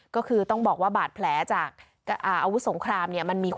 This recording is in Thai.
ก็คือต้องบอกว่าบาดแผลจากอาวุธสงครามเนี่ย